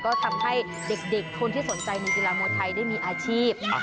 ก็ทำให้เด็กคนที่สนใจในกีฬามวยไทยได้มีอาชีพ